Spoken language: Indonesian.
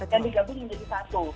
yang digabung menjadi satu